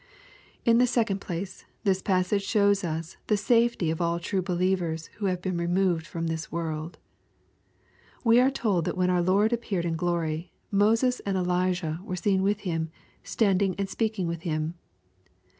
In the second place, this passage shows us the safety of all true believers who have been removed from this world. We are told that when our Lord appeared in glory, Moses and Elijah were seen with Him, standing and speaking with Him.